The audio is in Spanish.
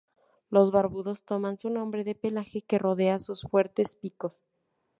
Los barbudos toman su nombre de pelaje que rodea sus fuertes picos.